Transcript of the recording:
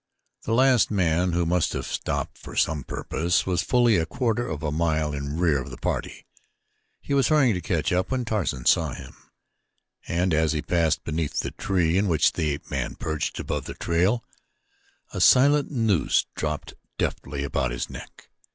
The last man, who must have stopped for some purpose, was fully a quarter of a mile in rear of the party. He was hurrying to catch up when Tarzan saw him, and as he passed beneath the tree in which the ape man perched above the trail, a silent noose dropped deftly about his neck.